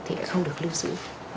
thì không được lưu giữ